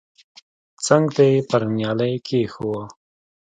څنگ ته يې پر نيالۍ کښېښوه.